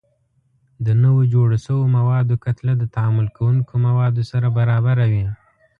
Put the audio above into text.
د نوو جوړ شویو موادو کتله د تعامل کوونکو موادو سره برابره وي.